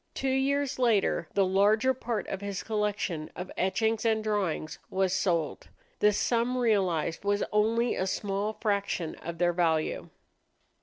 Two years later the larger part of his collection of etchings and drawings was sold. The sum realized was only a small fraction of their value.